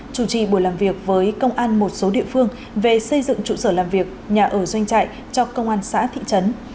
chủ trì buổi làm việc với công an một số địa phương về xây dựng trụ sở làm việc nhà ở doanh trại cho công an xã thị trấn